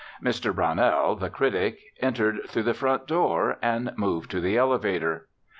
Mr. Brownell, the critic, entered through the front door and moved to the elevator.